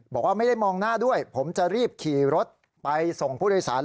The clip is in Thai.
บอกว่าไม่ได้มองหน้าด้วยผมจะรีบขี่รถไปส่งผู้โดยสาร